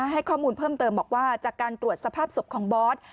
ให้ข้อมูลเพิ่มเติมบอกว่าจากการตรวจสภาพศพของบอส